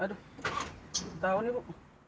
aduh tau nih bu